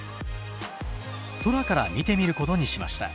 空から見てみることにしました。